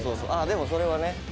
でもそれはね。